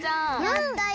やったよ。